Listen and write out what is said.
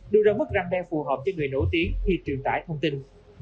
đưa ra mức răng đe phù hợp cho người nổi tiếng khi truyền tải thông tin